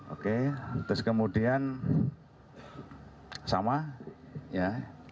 oke terus kemudian sama ya